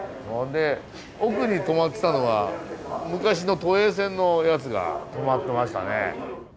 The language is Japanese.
奥に止まってたのは昔の都営線のやつが止まってましたね。